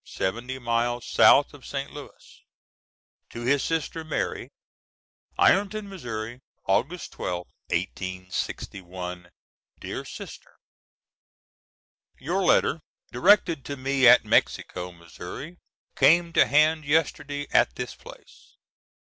seventy miles south of St. Louis. To his sister Mary.] Ironton, Mo., August 12th, 1861. DEAR SISTER: Your letter directed to me at Mexico, Missouri came to hand yesterday at this place.